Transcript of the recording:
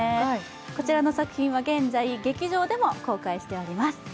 こちらの作品は現在、劇場でも公開しています。